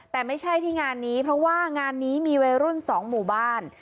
แต่ไม่ใช่ที่งานนี้เพราะว่างานนี้มีวัยรุ่น๒หมู่บ้าน